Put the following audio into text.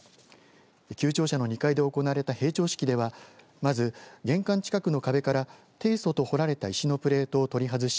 旧庁舎の２階で行われた閉庁式ではまず玄関近くの壁から定礎と彫られた石のプレートを取り外し